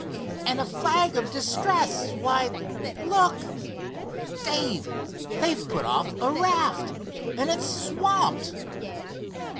"And a flag of distress—why, look! Dave, they've put off a raft, and it's swamped."